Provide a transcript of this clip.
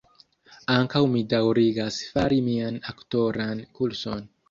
Ankaŭ mi daŭrigas fari mian aktoran kurson